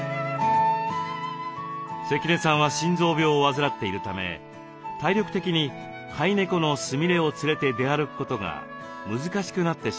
関根さんは心臓病を患っているため体力的に飼い猫のスミレを連れて出歩くことが難しくなってしまいました。